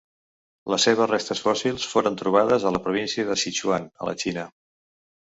Les seves restes fòssils foren trobades a la província de Sichuan, a la Xina.